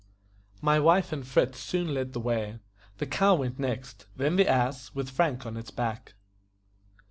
My wife and Fritz soon led the way; the cow went next; then the ass, with Frank on its back.